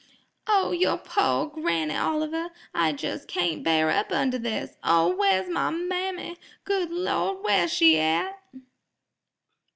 "O, yer po' granny, Oliver! I jes' cayn't bar up under this. O, where's my mammy! Good Lawd, where's she at?"